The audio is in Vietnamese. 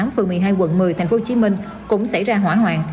phường một mươi hai quận một mươi tp hcm cũng xảy ra hỏa hoạn